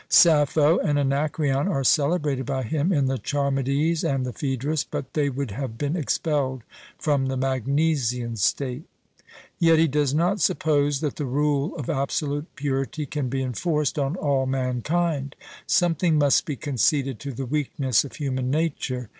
Sappho and Anacreon are celebrated by him in the Charmides and the Phaedrus; but they would have been expelled from the Magnesian state. Yet he does not suppose that the rule of absolute purity can be enforced on all mankind. Something must be conceded to the weakness of human nature.